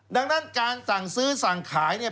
ดังนั้นการสั่งซื้อสั่งขายเนี่ย